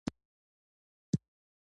په دې پوهنتون کې نوی څانګي پرانیستل شوي